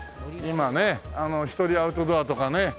今ね１人アウトドアとかね